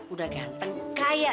udah ganteng kaya